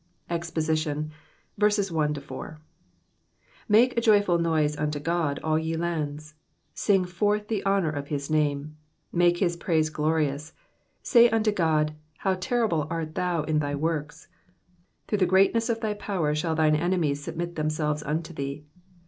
EXPOSITION. MAKE a joyful noise unto God, all ye lands : 2 Sing forth the honour of his name : make his praise glorious. 3 Say unto God, How terrible arf thou in thy works ! through the greatness of thy power shall thine enemies submit themselves unto thee.